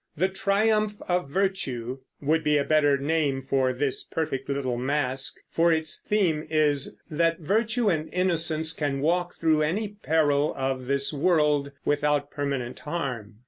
"The Triumph of Virtue" would be a better name for this perfect little masque, for its theme is that virtue and innocence can walk through any peril of this world without permanent harm.